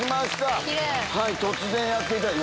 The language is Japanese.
突然やっていただいて。